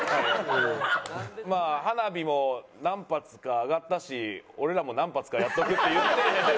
「まあ花火も何発か上がったし俺らも何発かやっとく？」って言って。